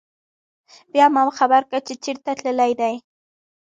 بيا ما خبر کړه چې چرته تلل دي